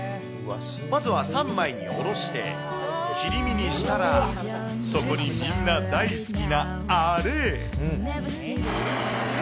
まずは３枚におろして、切り身にしたら、そこにみんな大好きなあれ。